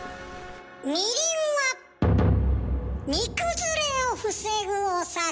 みりんは煮崩れを防ぐお酒。